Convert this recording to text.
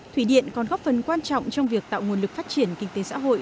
thủy điện còn góp phần quan trọng trong việc tạo nguồn lực phát triển kinh tế xã hội